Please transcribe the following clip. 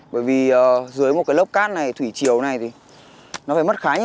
bởi vì dưới một cái lớp cát này thủy chiều này thì nó phải mất khá